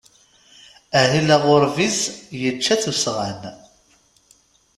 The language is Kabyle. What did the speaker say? Ahil aɣurbiz yečča-t usɣan.